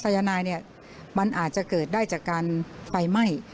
ไซยานายมันอาจจะเกิดได้จากการไฟไหม้